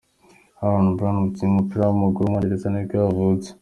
Aaron Brown, umukinnyi w’umupira w’amaguru w’umwongereza nibwo yavutse.